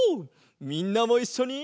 みんなもいっしょに！